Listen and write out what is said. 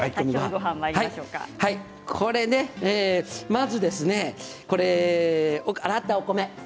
まずですね、洗ったお米